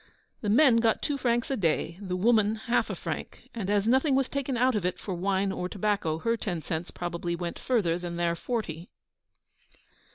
The men got two francs a day, the woman half a franc; and as nothing was taken out of it for wine or tobacco, her ten cents probably went further than their forty.